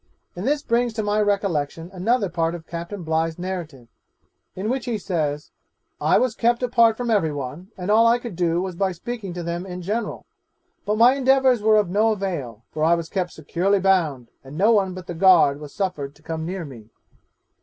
And this brings to my recollection another part of Captain Bligh's narrative, in which he says, "I was kept apart from every one, and all I could do was by speaking to them in general, but my endeavours were of no avail, for I was kept securely bound, and no one but the guard was suffered to come near me."